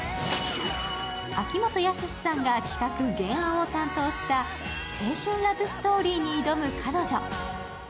秋元康さんが企画・原案を担当した青春ラブストーリーに挑む彼女。